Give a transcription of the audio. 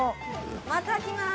また来まーす！